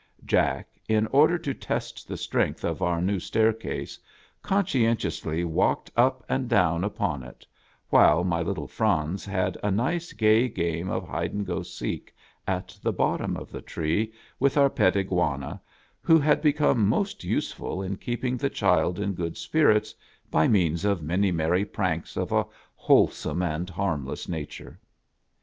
Jack, in order to test the strength of our new stair case, conscientiously walked up and down upon it, while my little Franz had a nice gay game of hide and go seek at the bottom of the tree with our pet Iguana, who had become most useful in keeping the child in good spirits by means of many merry pranks of a wholesome and harmless nature.